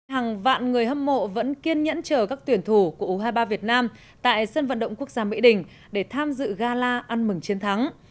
hàng vạn người hâm mộ vẫn kiên nhẫn chờ các tuyển thủ của u hai mươi ba việt nam tại sân vận động quốc gia mỹ đình để tham dự gala ăn mừng chiến thắng